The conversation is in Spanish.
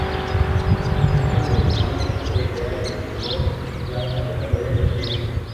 El Centro de Barcelona aceptó la idea y publicó la convocatoria en septiembre.